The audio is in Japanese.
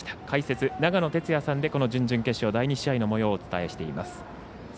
解説、長野哲也さんで準々決勝、第２試合のもようをお伝えしています。